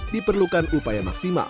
diperlukan upaya maksimal